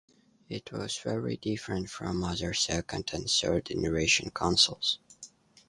It was very different from other second and third generation consoles.